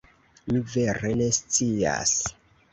Mi vere ne scias.